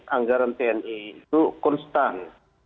anggaran tni itu konstan